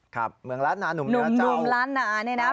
ครับเมืองลาดนาหนุ่มลาดเจ้าหนุ่มลาดนานี่นะ